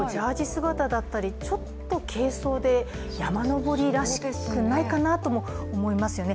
姿だったりちょっと軽装で山登りらしくないかなとも思いますよね。